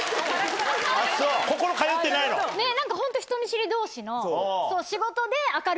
ホント人見知り同士の。